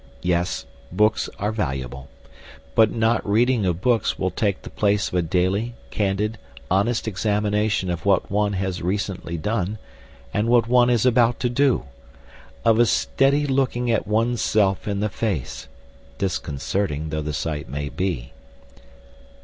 Yes, books are valuable. But not reading of books will take the place of a daily, candid, honest examination of what one has recently done, and what one is about to do of a steady looking at one's self in the face (disconcerting though the sight may be).